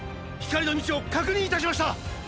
光の道を確認いたしました！！